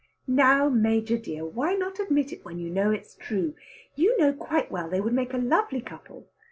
"Now, Major dear, why not admit it when you know it's true? You know quite well they would make a lovely couple.